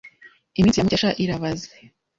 Iminsi ya Mukesha irabaze.